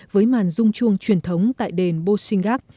với màn rung chuông truyền thống tại đền bô sinh gác